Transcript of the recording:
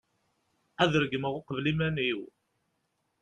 ad regmeɣ uqbel iman-iw